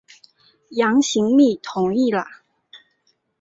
杨行密同意了。